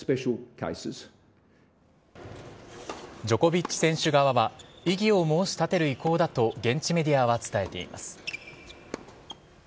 ジョコビッチ選手側は異議を申し立てる意向だと現地メディアは伝えています。